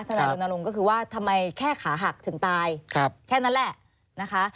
ถนัดลงก็คือว่าทำไมแค่ขาหักถึงตายแค่นั้นแหละ